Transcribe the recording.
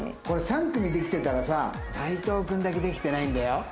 これ３組できてたらさ斉藤君だけできてないんだよ。